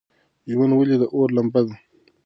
ژوند ولې د اور لمبه ده؟